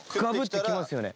てきますよね。